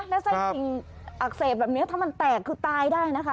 แล้วไส้ติ่งอักเสบแบบนี้ถ้ามันแตกคือตายได้นะคะ